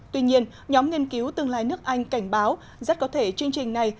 tuy nhiên nhóm nghiên cứu tương lai nước anh cảnh báo rất có thể chương trình này